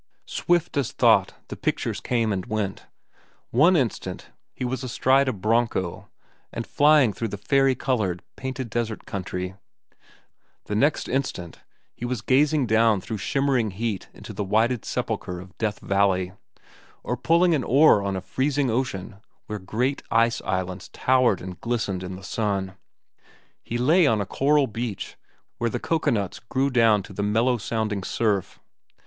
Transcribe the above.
Swift as thought the pictures came and went. One instant he was astride a broncho and flying through the fairy colored Painted Desert country; the next instant he was gazing down through shimmering heat into the whited sepulchre of Death Valley, or pulling an oar on a freezing ocean where great ice islands towered and glistened in the sun. He lay on a coral beach where the cocoanuts grew down to the mellow sounding surf.